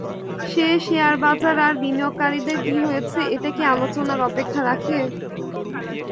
সে শেয়ারবাজার আর বিনিয়োগকারীদের কী হয়েছে, এটা কি আলোচনার অপেক্ষা রাখে?